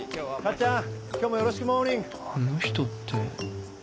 あの人って